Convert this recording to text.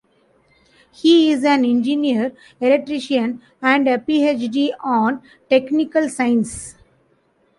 He is an engineer-electrician and a PhD on Technical Sciences.